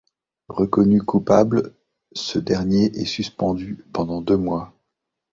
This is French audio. Reconnu coupable, ce dernier est suspendu pendant deux mois.